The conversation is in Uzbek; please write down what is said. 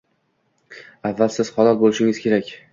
Avval siz halol bo'lishingiz kerak